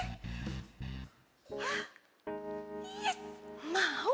hah yes mau